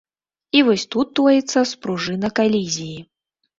І вось тут тоіцца спружына калізіі.